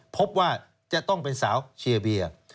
พบว่าจะต้องเป็นสาวเชียร์เบีย